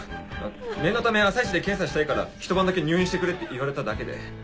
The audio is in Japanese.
念のため朝イチで検査したいからひと晩だけ入院してくれって言われただけで。